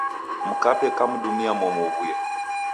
Mkape ukamdumia momu uw'uye.